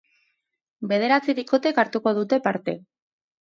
Bederatzi bikotek hartuko dute parte.